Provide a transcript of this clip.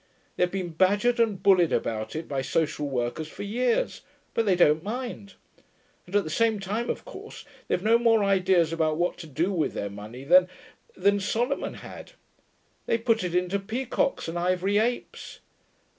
They've been badgered and bullied about it by social workers for years, but they don't mind.... And at the same time, of course, they've no more ideas about what to do with their money than than Solomon had. They put it into peacocks and ivory apes.